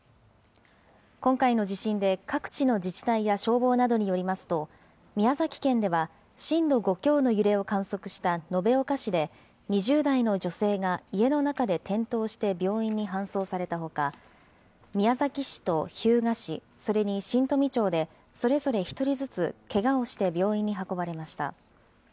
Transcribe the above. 今回の地震で各地の自治体や消防などによりますと、宮崎県では、震度５強の揺れを観測した延岡市で２０代の女性が家の中で転倒して病院に搬送されたほか、宮崎市と日向市、それに新富町で、それぞれ１人ずつけがをして病院に運ばれました。